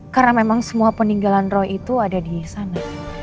karena memang semua peninggalan roy itu ada di sana